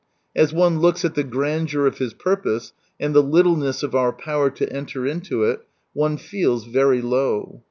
As one looks at the grandeur of His purpose, and the littleness of our power to enter into it, one feels very tow.